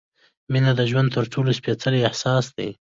مینه د ژوند تر ټولو سپېڅلی احساس دی.